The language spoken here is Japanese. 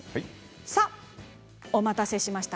お待たせしました。